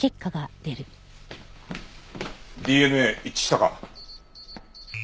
ＤＮＡ一致したか？